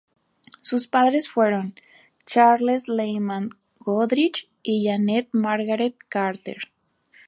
Sus padres fueron Charles Lyman Goodrich y Jeannette Margaret Carter.